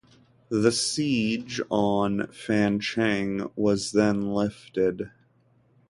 The siege on Fancheng was then lifted.